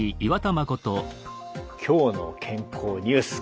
「きょうの健康」ニュース。